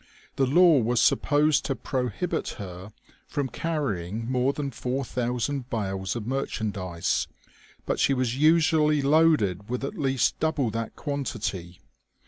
The law was supposed to prohibit her &om carrying more than 4000 bales of merchandise, but she was usually loaded with at least double that quantity.